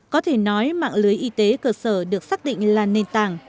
có thể nói mạng lưới y tế cơ sở được xác định là nền tảng